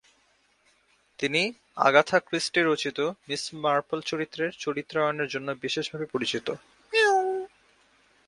তিনি Agatha Christie রচিত Miss Marple চরিত্রের চরিত্রায়নের জন্য বিশেষভাবে পরিচিত।